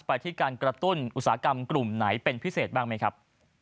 ไปที่การกระตุ้นอุตสาหกรรมกลุ่มไหนเป็นพิเศษบ้างไหมครับ